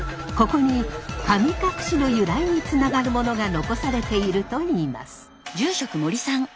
ここに神隠の由来につながるものが残されているといいます。